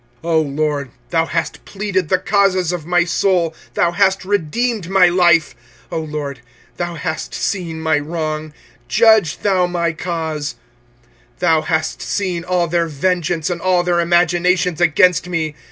25:003:058 O LORD, thou hast pleaded the causes of my soul; thou hast redeemed my life. 25:003:059 O LORD, thou hast seen my wrong: judge thou my cause. 25:003:060 Thou hast seen all their vengeance and all their imaginations against me.